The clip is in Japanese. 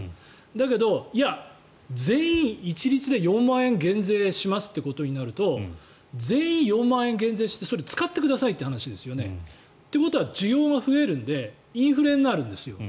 だけど、全員一律で４万円減税しますということになると全員４万円減税してそれを使ってくださいという話ですよねということは需要が増えるのでインフレになるんですよ。